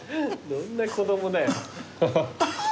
どんな子供だよ。